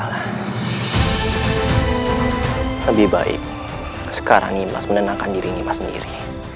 lebih baik sekarang nimas menenangkan diri nimas sendiri